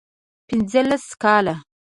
پنځه لس کاله